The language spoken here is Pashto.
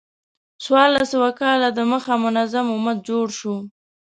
څوارلس سوه کاله د مخه منظم امت جوړ شو.